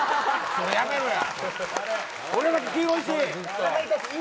それやめろや！